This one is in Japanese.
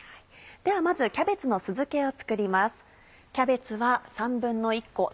ではまずキャベツの酢漬けを作ります。